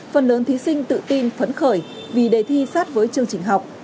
phần lớn thí sinh tự tin phấn khởi vì đề thi sát với chương trình học